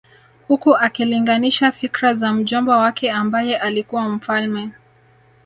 Huku akilinganisha fikra za mjomba wake ambaye alikuwa mfalme